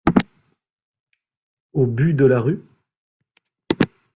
Au Bû de la Rue?